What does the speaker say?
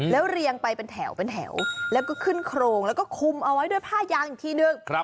แล้วเรียงไปเป็นแถวเป็นแถวแล้วก็ขึ้นโครงแล้วก็คุมเอาไว้ด้วยผ้ายางอีกทีนึง